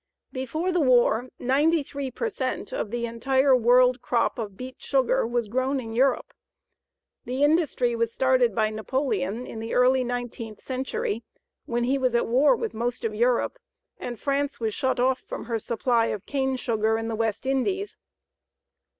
Before the war, 93 per cent of the entire world crop of beet sugar was grown in Europe. The industry was started by Napoleon in the early nineteenth century when he was at war with most of Europe, and France was shut off from her supply of cane sugar from the West Indies.